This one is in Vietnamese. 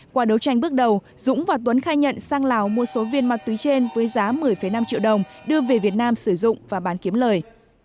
qua đấu tranh bước đầu dũng và tuấn khai nhận sang lào mua số viên ma túy trên với giá một mươi năm triệu đồng đưa về việt nam sử dụng và bán kiếm lời